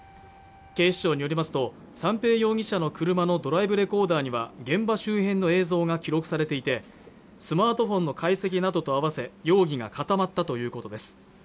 警視庁によりますと三瓶容疑者の車のドライブレコーダーには現場周辺の映像が記録されていてスマートフォンの解析などとあわせ容疑が固まったということです